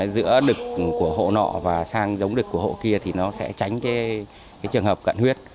giữa đực của hộ nọ và sang giống đực của hộ kia thì nó sẽ tránh trường hợp cận huyết